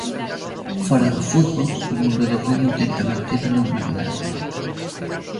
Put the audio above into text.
Fóra do fútbol, o mundo do remo intenta manter a normalidade.